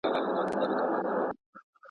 ټول بدن ناارامه وي.